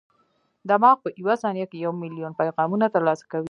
دماغ په یوه ثانیه کې یو ملیون پیغامونه ترلاسه کوي.